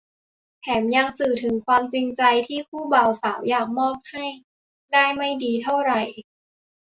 แถมยังสื่อถึงความจริงใจที่คู่บ่าวสาวอยากมอบให้ได้ไม่ดีเท่าไหร่